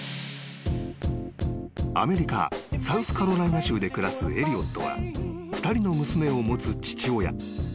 ［アメリカサウスカロライナ州で暮らすエリオットは２人の娘を持つ父親］